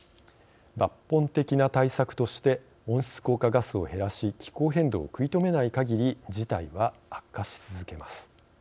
抜本的な対策として温室効果ガスを減らし気候変動を食い止めないかぎり事態は悪化し続けます。